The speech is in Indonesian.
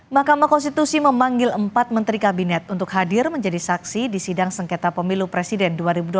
mahkamah konstitusi memanggil empat menteri kabinet untuk hadir menjadi saksi di sidang sengketa pemilu presiden dua ribu dua puluh